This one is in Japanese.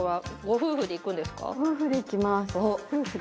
夫婦で行きます夫婦で。